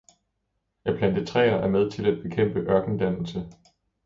At plante træer er med til at bekæmpe ørkendannelse.